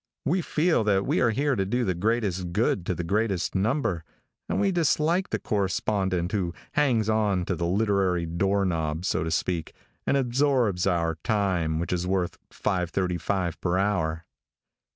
We feel that we are here to do the greatest good to the greatest number, and we dislike the correspondent who hangs on to the literary door knob, so to speak, and absorbs our time, which is worth $5.35 per hour.